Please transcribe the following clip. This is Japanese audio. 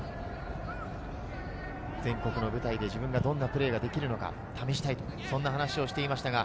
全国の舞台で自分がどんなプレーができるのか試したい、そんな話をしていました。